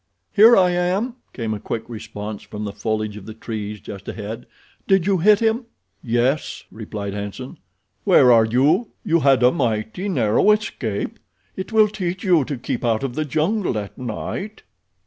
"Here I am," came a quick response from the foliage of the trees just ahead. "Did you hit him?" "Yes," replied Hanson. "Where are you? You had a mighty narrow escape. It will teach you to keep out of the jungle at night."